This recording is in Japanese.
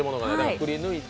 くり抜いて。